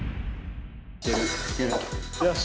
・よし。